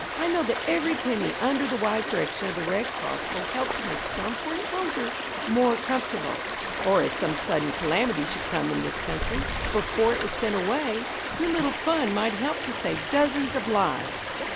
I know that every penny under the wise direction of the Red Cross will help to make some poor soldier more comfortable; or if some sudden calamity should come in this country, before it was sent away, your little fund might help to save dozens of lives."